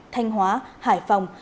thanh hóa hải phòng